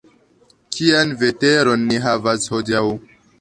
Kian veteron ni havas hodiaŭ?